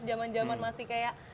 jaman jaman masih kayak